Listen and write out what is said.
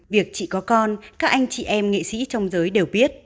việc chị có con các anh chị em nghệ sĩ trong giới đều biết